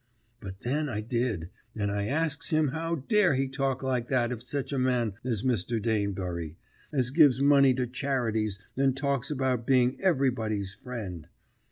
But then I did, and I asks him how dare he talk like that of sech a man as Mr. Danebury, as gives money to charities, and talks about being everybody's friend.